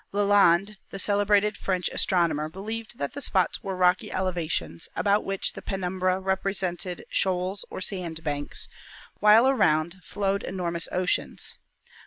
Lalande, the celebrated French astronomer, believed that the spots were rocky elevations, about which the penumbra repre sented shoals or sandbanks, while around flowed enormous oceans.